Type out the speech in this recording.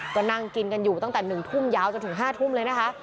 ก็นั่งกินกันอยู่ตั้งแต่๑ทุ่มยาวจนถึง๕ทุ่มเลยนะคะ